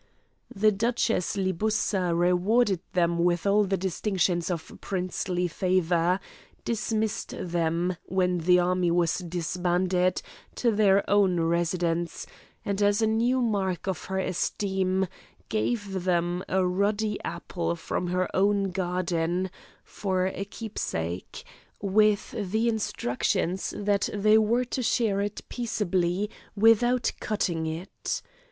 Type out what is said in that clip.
The Duchess Libussa rewarded them with all the distinctions of princely favour, dismissed them, when the army was disbanded to their own residence, and as a new mark of her esteem gave them a ruddy apple from her own garden for a keepsake, with the instructions that they were to share it peaceably without cutting it.